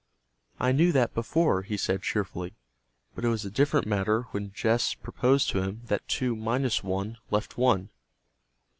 "I knew that before," he said cheerfully. But it was a different matter when Jess proposed to him that two minus one left one.